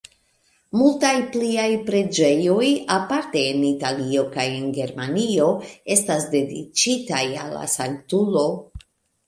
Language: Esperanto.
Multaj pliaj preĝejoj, aparte en Italio kaj en Germanio, estas dediĉitaj al la sanktulo.